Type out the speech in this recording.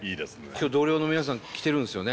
今日同僚の皆さん来てるんですよね？